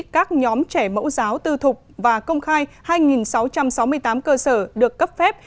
các nhóm trẻ mẫu giáo tư thục và công khai hai sáu trăm sáu mươi tám cơ sở được cấp phép